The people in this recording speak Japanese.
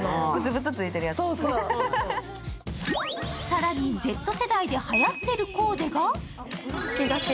更にＺ世代に、はやっているコーデが。